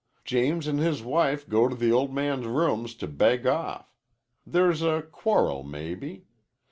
James an' his wife go to the old man's rooms to beg off. There's a quarrel, maybe.